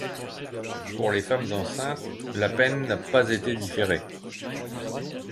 Pour les femmes enceintes, la peine n’a pas été différée.